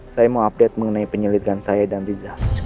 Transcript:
saya mau update mengenai penyelidikan saya dan riza